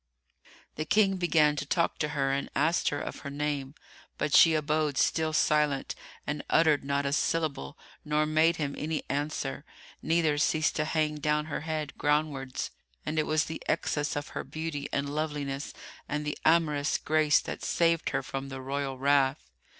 The King began to talk to her and asked her of her name; but she abode still silent and uttered not a syllable nor made him any answer, neither ceased to hang down her head groundwards; and it was but the excess of her beauty and loveliness and the amorous grace that saved her from the royal wrath.